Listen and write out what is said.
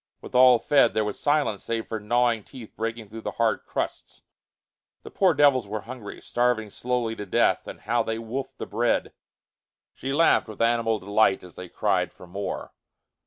With all fed, there was silence save for gnawing teeth breaking through the hard crusts. The poor devils were hungry, starving slowly to death, and how they wolfed the bread! She laughed with animal delight as they cried for more.